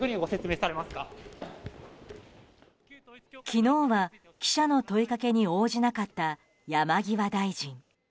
昨日は記者の問いかけに応じなかった山際大臣。